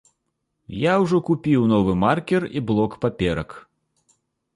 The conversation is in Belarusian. Я ўжо купіў новы маркер і блок паперак.